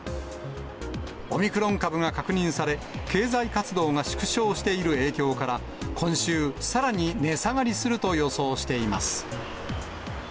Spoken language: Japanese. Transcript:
オミクロン株が確認され、経済活動が縮小している影響から、今週、さらに値下がりすると予想しています。